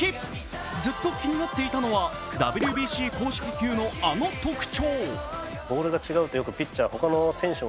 ずっと気になっていたのはＷＢＣ公式球のあの特徴。